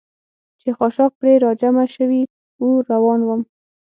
چې خاشاک پرې را جمع شوي و، روان ووم.